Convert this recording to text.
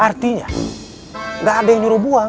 artinya tidak ada yang mau dibuang